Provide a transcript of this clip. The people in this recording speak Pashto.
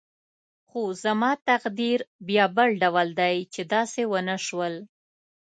خو زما تقدیر بیا بل ډول دی چې داسې ونه شول.